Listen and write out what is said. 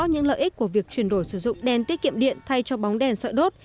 những lợi ích của việc chuyển đổi sử dụng đèn tiết kiệm điện thay cho bóng đèn sợi đốt